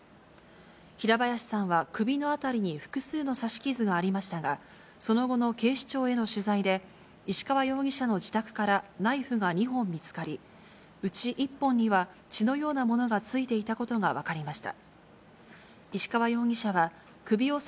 平林さんは首の辺りに複数の刺し傷がありましたが、その後の警視庁への取材で、石川容疑者の自宅からナイフが２本見つかり、うち１本には、血のようなものが付いていたことが分かりました。